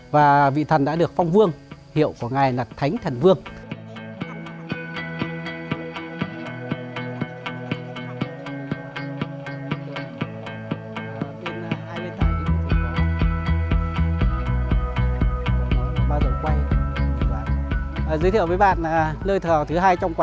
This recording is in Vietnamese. và vị thần đã được phong vương hiệu của ngài là thánh thần vương